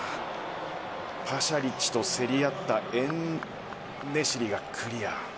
パシャリッチと競りあったエンネシリがクリア。